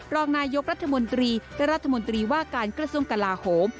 รองนายกรัฐมนตรีและรัฐมนตรีว่าการกระทรวงกลาโหม